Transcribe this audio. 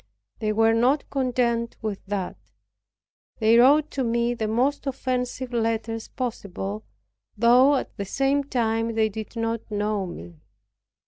They were not content with that. They wrote to me the most offensive letters possible, though at the same time they did not know me.